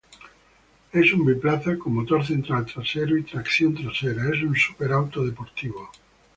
Es un biplaza, con motor central trasero y tracción trasera.es un super auto deportivo.